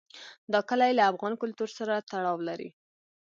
دا کلي له افغان کلتور سره تړاو لري.